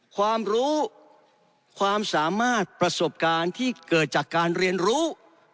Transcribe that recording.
ความรู้ความสามารถประสบการณ์ที่เกิดจากการเรียนรู้